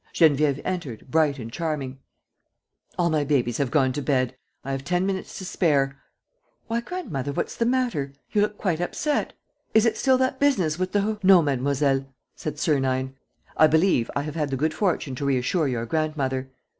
Geneviève entered, bright and charming: "All my babies have gone to bed; I have ten minutes to spare. ... Why, grandmother, what's the matter? You look quite upset. ... Is it still that business with the ..." "No, mademoiselle," said Sernine, "I believe I have had the good fortune to reassure your grandmother.